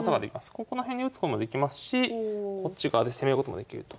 ここら辺に打つこともできますしこっち側で攻めることもできると。